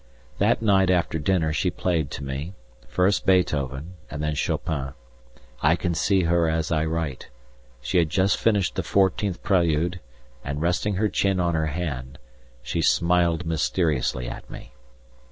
That night after dinner she played to me, first Beethoven and then Chopin. I can see her as I write; she had just finished the 14th Prelude and, resting her chin on her hand, she smiled mysteriously at me.